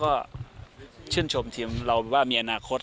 เค้าก็ชื่นชมทีมเรามีอนาคต